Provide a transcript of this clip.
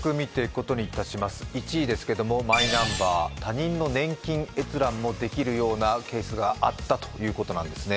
１位ですけども、マイナンバー、他人の年金閲覧もできるようなケースがあったということなんですね。